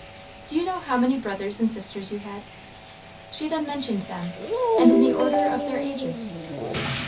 "Do you know how many brothers and sisters you had?" She then mentioned them, and in the order of their ages.